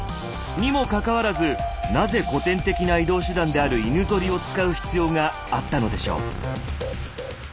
にもかかわらずなぜ古典的な移動手段である犬ゾリを使う必要があったのでしょう？